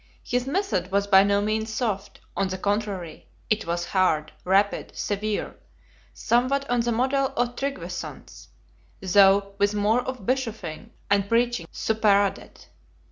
His method was by no means soft; on the contrary, it was hard, rapid, severe, somewhat on the model of Tryggveson's, though with more of bishoping and preaching superadded.